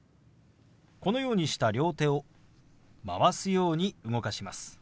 このようにした両手を回すように動かします。